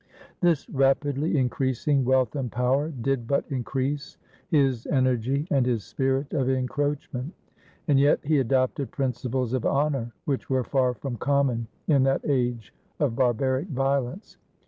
This rapidly increasing wealth and power did but increase his energy and his spirit of encroachment. And yet he adopted principles of honor which were far from common in that age of barbaric violence.